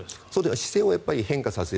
姿勢を変化させる。